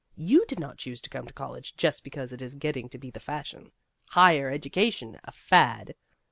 You did not choose to come to college just be cause it is getting to be the fashion. Higher education a fad